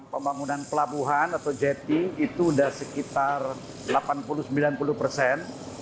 pembangunan pelabuhan atau jati itu sudah sekitar delapan puluh sembilan puluh persen